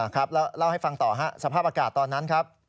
ครับแล้วเล่าให้ฟังต่อสภาพอากาศตอนนั้นครับ